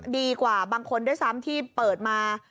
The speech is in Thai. ดีกว่าบางคนด้วยซ้ำที่เปิดมา